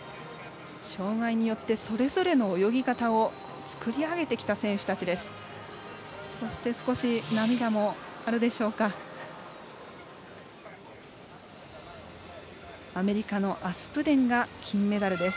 障がいによってそれぞれの泳ぎ方を作り上げてきた選手たちです。